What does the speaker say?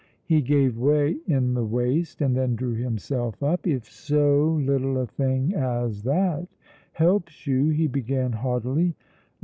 He gave way in the waist, and then drew himself up. "If so little a thing as that helps you " he began haughtily.